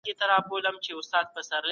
د سړکونو جوړولو ته یې ولي پام کاوه؟